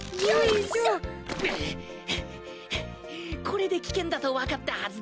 これで危険だと分かったはずだ。